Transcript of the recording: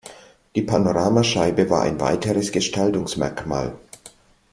Die Panoramascheibe war ein weiteres Gestaltungsmerkmal.